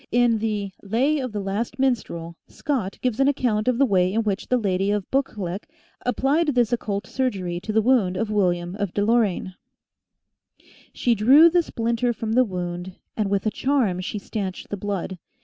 In the " Lay of the Last Minstrel," Scott gives an account of the way in which the Lady of Buccleuch applied this occult surgery to the wound of William of Deloraine : <4 She drew the splinter from the wound, And with a charm she stanched the blood.